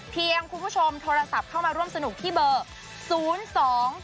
เพียงคุณผู้ชมโทรศัพท์เข้ามาร่วมสนุกที่เบอร์๐๒๑๒๗๑๑๙๙ต่อ๒๔๐๓